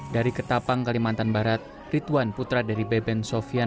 dari ketapang kalimantan barat rituan putra dari beben sofian